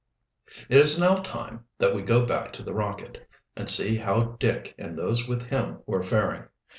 It is now time that we go back to the Rocket and see how Dick and those with him were faring.